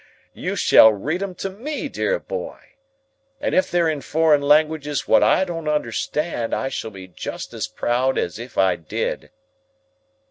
You shall read 'em to me, dear boy! And if they're in foreign languages wot I don't understand, I shall be just as proud as if I did."